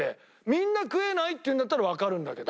みんな食えないっていうんだったらわかるんだけど。